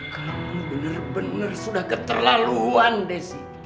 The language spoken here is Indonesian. kamu bener bener sudah keterlaluan desi